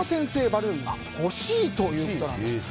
バルーンが欲しいということなんです。